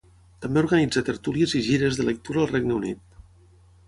També organitza tertúlies i gires de lectura al Regne Unit.